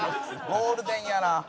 ゴールデンやな。